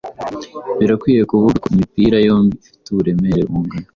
Birakwiye kuvuga ko imipira yombi ifite uburemere bungana.